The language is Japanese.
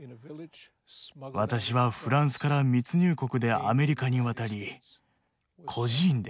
私はフランスから密入国でアメリカに渡り孤児院で育ちました。